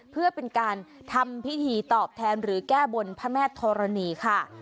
เพื่อเป็นการทำพิธีตอบแทนหรือแก้บนพระแม่ธรณีค่ะ